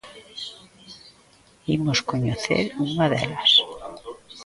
Imos coñecer unha delas.